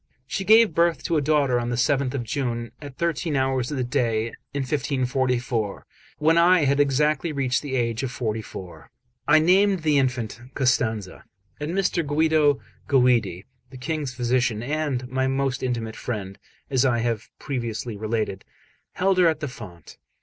She gave birth to a daughter on the 7th of June, at thirteen hours of the day, in 1544, when I had exactly reached the age of forty four. I named the infant Costanza; and Mr. Guido Guidi, the King's physician, and my most intimate friend, as I have previously related, held her at the font.